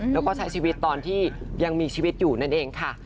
แล้วก็ใช้ชีวิตตอนที่ยังมีชีวิตอยู่นั่นเองค่ะ